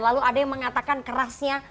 lalu ada yang mengatakan kerasnya